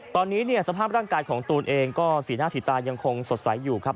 ตอนนี้เนี่ยสภาพร่างกายของตูนเองก็สีหน้าสีตายังคงสดใสอยู่ครับ